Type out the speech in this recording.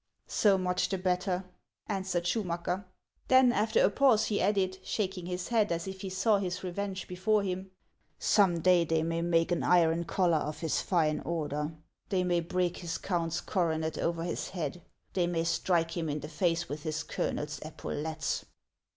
" So much the better," answered Schumacker. Then after a pause he added, shaking his head as if he saw his revenge before him, " Some day they may make an iron collar of his fine order ; they may break his count's coronet over his head ; they may strike him in the face with his colonel's epaulettes."